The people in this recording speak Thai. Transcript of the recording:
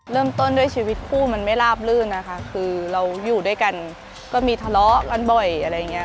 เริ่มต้นด้วยชีวิตคู่มันไม่ลาบลื่นนะคะคือเราอยู่ด้วยกันก็มีทะเลาะกันบ่อยอะไรอย่างเงี้